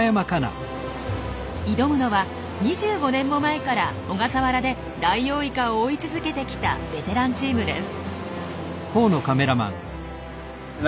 挑むのは２５年も前から小笠原でダイオウイカを追い続けてきたベテランチームです。